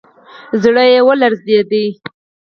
زړه يې ولړزېد.